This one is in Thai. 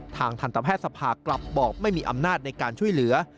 ทางทันตแพทย์สภากลับบอกไม่มีอำนาจในการช่วยเหลือ